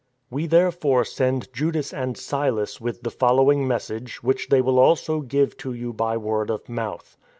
" We therefore send Judas and Silas with the fol lowing message, which they will also give to you by word of mouth.